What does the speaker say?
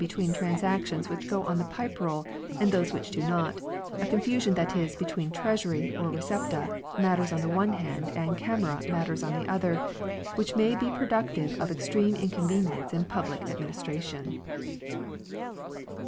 OF THE REIGN OF KING JOHN 269 transactions which go on the Pipe Roll and those which do not, a confusion that is between Treasury, or " Recepta," matters on the one hand and " Camera " matters on the other, which may be productive of ex treme inconvenience in public administration.